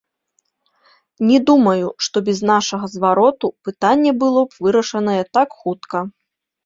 Не думаю, што без нашага звароту пытанне было б вырашанае так хутка.